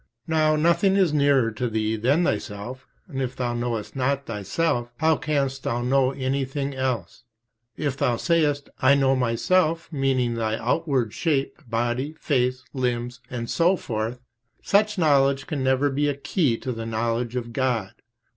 Now nothing is nearer to thee than thyself, and if thou knowest not thyself how canst thou know anything else? If thou sayest "I know myself," meaning thy outward shape, body, face, limbs, and so forth, such knowledge can never be a key to the knowledge of God.